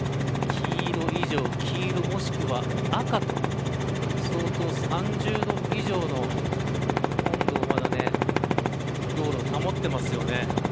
黄色以上黄色、もしくは赤と相当、３０度以上の温度をまだ保っていますよね。